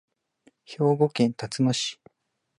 兵庫県たつの市